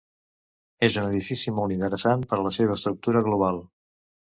És un edifici molt interessant per la seva estructura global.